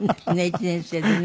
１年生でね。